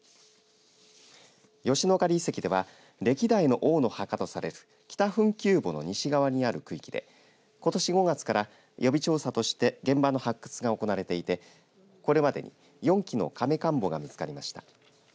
吉野ヶ里遺跡では歴代の王の墓とされる北墳丘墓の西側にある地区でことし５月から予備調査として現場の発掘が行われていてこれまでに４期のかめ棺墓が見つかりました。